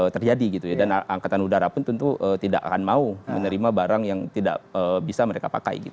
terjadi gitu ya dan angkatan udara pun tentu tidak akan mau menerima barang yang tidak bisa mereka pakai gitu